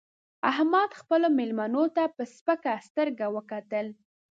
احمد خپلو مېلمنو ته په سپکه سترګه وکتل